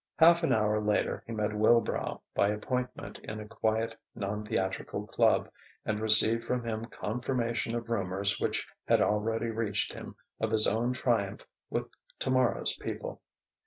Half an hour later he met Wilbrow by appointment in a quiet, non theatrical club, and received from him confirmation of rumours which had already reached him of his own triumph with "Tomorrow's People."